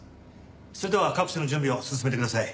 それでは各所の準備を進めてください。